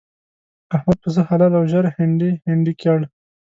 احمد پسه حلال او ژر هنډي هنډي کړ.